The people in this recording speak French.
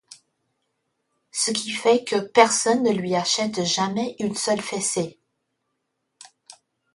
Ce qui fait que personne ne lui achète jamais une seule fessée.